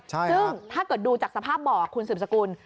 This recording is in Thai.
ซึ่งถ้าเกิดดูจากสภาพบ่อคุณสืบสกุล